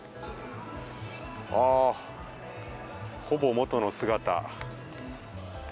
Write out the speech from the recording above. ほぼ元の姿。